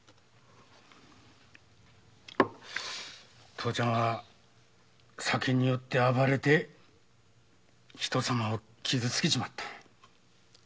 父ちゃんは酒に酔って暴れて人様を傷つけちまった。